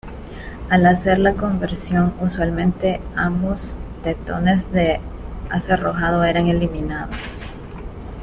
Al hacer la conversión, usualmente ambos tetones de acerrojado eran eliminados.